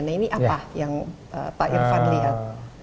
nah ini apa yang pak irfan lihat